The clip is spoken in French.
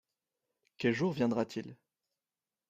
Quel jour viendra-t-il ?